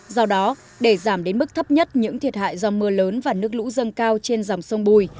do đó để giảm đến mức thấp nhất những thiệt hại do mưa lớn và nước lũ dâng cao trên dòng sông bùi